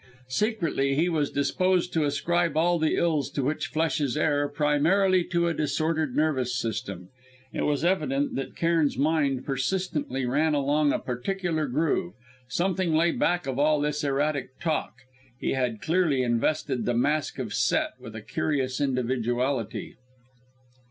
Secretly he was disposed to ascribe all the ills to which flesh is heir primarily to a disordered nervous system. It was evident that Cairn's mind persistently ran along a particular groove; something lay back of all this erratic talk; he had clearly invested the Mask of Set with a curious individuality.